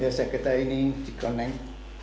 ya saya kata ini dikoneng